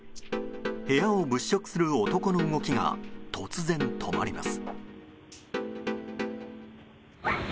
部屋を物色する男の動きが突然、止まります。